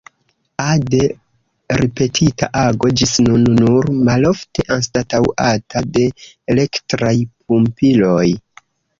Ade ripetita ago, ĝis nun nur malofte anstataŭata de elektraj pumpiloj.